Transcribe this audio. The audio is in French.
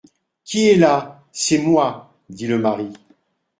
«Qui est là ?, C'est moi,» dit le mari.